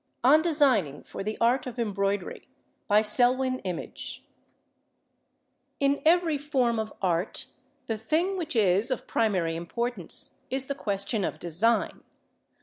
ON DESIGNING FOR THE ART OF EMBROIDERY In every form of art the thing which is of primary importance is the question of Design.